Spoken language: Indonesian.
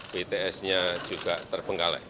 btsnya juga terpenggalai